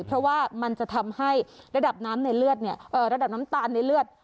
เพราะว่ามันจะทำให้ระดับน้ำตาลในเลือด